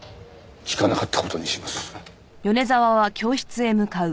聞かなかった事にします。